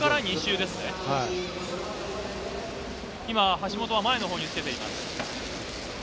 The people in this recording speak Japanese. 橋本は前のほうにつけています。